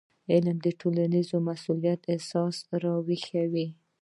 علم د ټولنیز مسؤلیت احساس راویښوي.